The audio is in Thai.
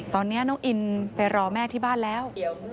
ตอนนี้น้องอินไปรอแม่ที่บ้านแล้ว